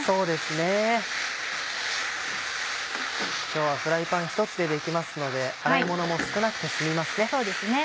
今日はフライパンひとつでできますので洗いものも少なくて済みますね。